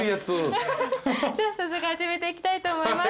じゃあ早速始めていきたいと思います。